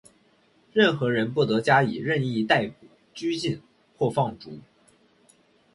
任何人不得加以任意逮捕、拘禁或放逐。